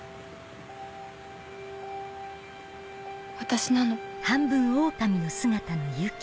私なの。